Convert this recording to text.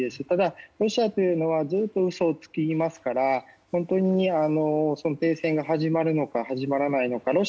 ただロシアというのはずっと嘘をつきますから本当に停戦が始まるのか始まらないのか。